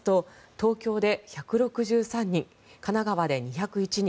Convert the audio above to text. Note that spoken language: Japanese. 東京で１６３人神奈川で２０１人